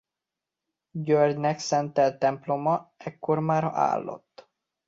Györgynek szentelt temploma ekkor már állott.